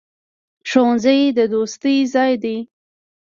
ښوونځی د دوستۍ ځای دی.